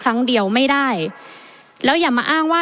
ประเทศอื่นซื้อในราคาประเทศอื่น